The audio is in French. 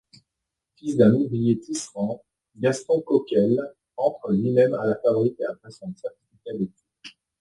Fils d'un ouvrier-tisserand, Gaston Coquel entre lui-même à la fabrique après son certificat d'études.